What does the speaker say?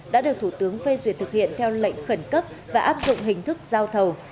đã được thủ tướng phê duyệt thực hiện theo lệnh khẩn cấp và áp dụng hình thức giao thầu